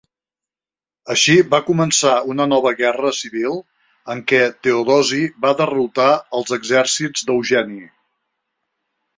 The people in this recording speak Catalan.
Així, va començar una nova guerra civil en què Teodosi va derrotar els exèrcits d'Eugeni.